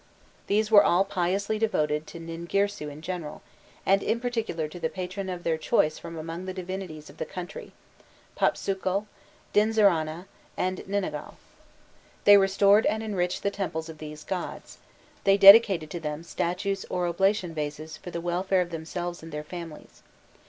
These were all piously devoted to Ningirsu in general, and in particular to the patron of their choice from among the divinities of the country Papsukal, Dunziranna, and Ninagal. They restored and enriched the temples of these gods: they dedicated to them statues or oblation vases for the welfare of themselves and their families.